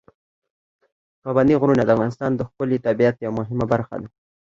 پابندي غرونه د افغانستان د ښکلي طبیعت یوه مهمه برخه ده.